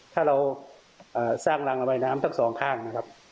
ถ้าเราสร้างรังระบายน้ำทั้งสองข้างนะครับ